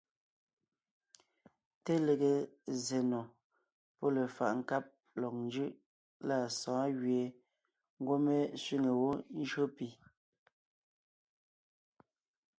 Te lege zsè nò pɔ́ lefaʼ nkáb lɔg njʉʼ lâ sɔ̌ɔn gẅie ngwɔ́ mé sẅîŋe wó ńjÿó pì.